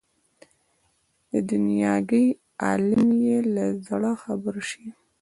د دنیاګۍ عالم یې له زړه خبر شي.